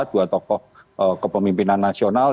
dua tokoh kepemimpinan nasional